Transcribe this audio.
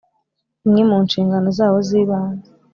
imwe mu nshingano zawo z'ibanze